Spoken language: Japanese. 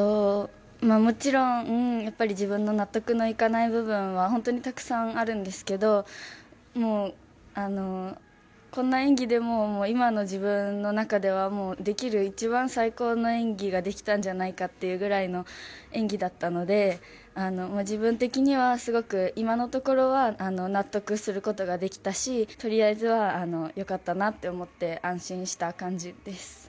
もちろん自分の納得のいかない部分は本当にたくさんあるんですけどこんな演技でも今の自分の中でできる一番最高の演技ができたんじゃないかってくらいの演技だったので、自分的にはすごく今のところは納得することができたしとりあえずは良かったなと思って安心した感じです。